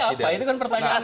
iya sih apa itu kan pertanyaan